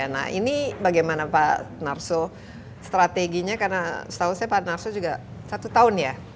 nah ini bagaimana pak narso strateginya karena setahu saya pak narso juga satu tahun ya